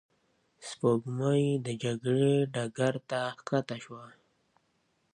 سپوږمۍ د جګړې ډګر ته ښکته شوه